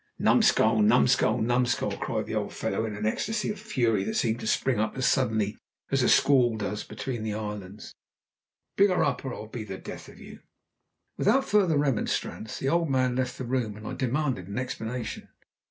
"Numbskull! numbskull! numbskull!" cried the old fellow in an ecstasy of fury that seemed to spring up as suddenly as a squall does between the islands, "bring her or I'll be the death of you." Without further remonstrance the old man left the room, and I demanded an explanation.